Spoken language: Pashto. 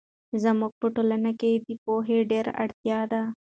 زموږ په ټولنه کې د پوهې ډېر اړتیا ده.